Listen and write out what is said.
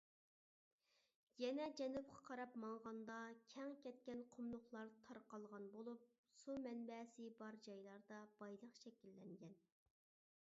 يەنە جەنۇبقا قاراپ ماڭغاندا، كەڭ كەتكەن قۇملۇقلار تارقالغان بولۇپ، سۇ مەنبەسى بار جايلاردا بايلىق شەكىللەنگەن.